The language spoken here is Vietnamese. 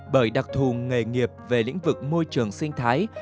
bởi đặc thù nghề nghiệp về lĩnh vực môi trường sinh thái